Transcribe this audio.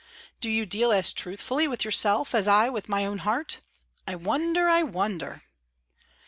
Do you deal as truthfully with yourself as I with my own heart? I wonder, I wonder."